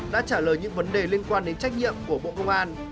đã trả lời những vấn đề liên quan đến trách nhiệm của bộ công an